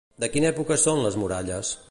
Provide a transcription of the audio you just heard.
De quina època són les muralles?